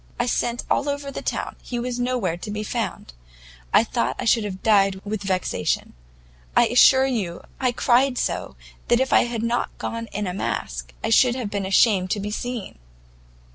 I sent all over the town, he was nowhere to be found; I thought I should have died with vexation; I assure you I cried so that if I had not gone in a mask, I should have been ashamed to be seen.